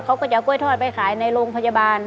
ก็จะเอากล้วยทอดไปขายในโรงพยาบาล